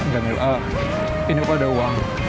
gamil ini aku ada uang